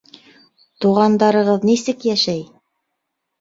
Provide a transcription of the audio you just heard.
Туғандарығыҙ нисек йәшәй?